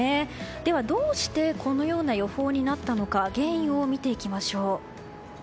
では、どうしてこのような予報になったのか原因を見ていきましょう。